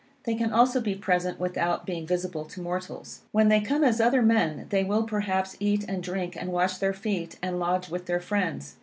They can also be present without being visible to mortals. When they come as other men, they will perhaps eat and drink, and wash their feet; and lodge with their friends.